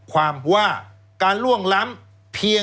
แล้วเขาก็ใช้วิธีการเหมือนกับในการ์ตูน